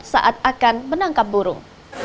saat akan menangkap burung